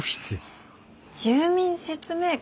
住民説明会？